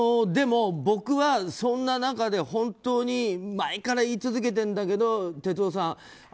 でも僕は、そんな中で本当に前から言い続けてるんだけど哲夫さん